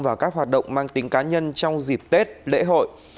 và các hoạt động mang tính cá nhân trong dịp tết lễ hội